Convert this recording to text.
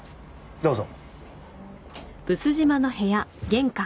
どうぞ。